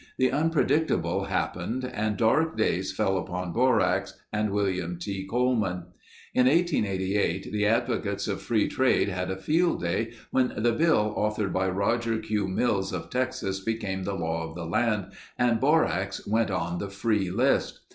The unpredictable happened and dark days fell upon borax and William T. Coleman. In 1888 the advocates of free trade had a field day when the bill authored by Roger Q. Mills of Texas became the law of the land and borax went on the free list.